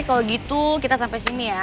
kalau gitu kita sampai sini ya